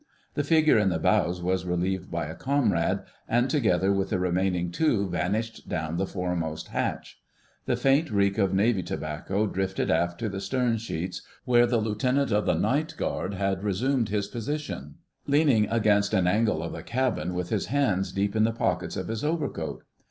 The figure in the bows was relieved by a comrade, and together with the remaining two vanished down the foremost hatch. The faint reek of Navy tobacco drifted aft to the stern sheets, where the Lieutenant of the Night Guard had resumed his position, leaning against an angle of the cabin with his hands deep in the pockets of his overcoat.